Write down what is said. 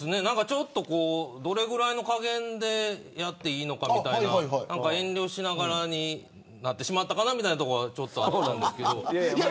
どれぐらいの加減でやっていいのかみたいな遠慮しながらになってしまったかなみたいなところはあったんですけど。